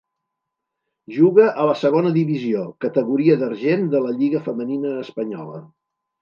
Juga a la Segona Divisió, categoria d'argent de la lliga femenina espanyola.